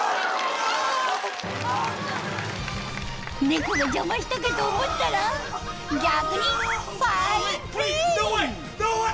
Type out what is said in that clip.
猫が邪魔したかと思ったら逆にファインプレー！